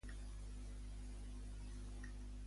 Que em trobes un taxi des d'aquí fins plaça Catalunya?